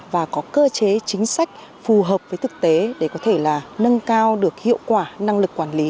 và có cơ chế chính sách phù hợp với thực tế để có thể là nâng cao được hiệu quả năng lực quản lý